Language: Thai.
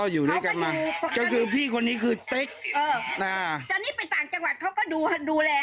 อยู่ด้วยกันมาก็คือพี่คนนี้คือเต๊กเอออ่าตอนนี้ไปต่างจังหวัดเขาก็ดูแล